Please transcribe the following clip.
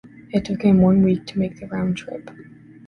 It took him one week to make the round trip.